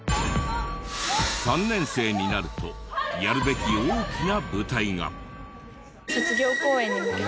３年生になるとやるべき大きな舞台が。